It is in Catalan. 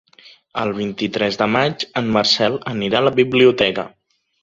El vint-i-tres de maig en Marcel anirà a la biblioteca.